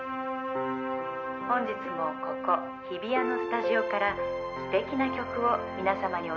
「本日もここ日比谷のスタジオから素敵な曲を皆様にお届けしてまいります」